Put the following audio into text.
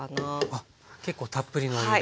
あっ結構たっぷりのお湯で。